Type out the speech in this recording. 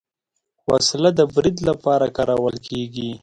وسله د برید لپاره کارول کېږي